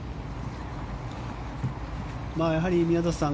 やはり、宮里さん